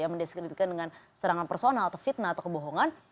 mendiskreditkan dengan serangan personal atau fitnah atau kebohongan